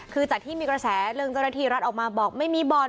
คือจากที่มีกระแสเรื่องเจ้าหน้าที่รัฐออกมาบอกไม่มีบ่อน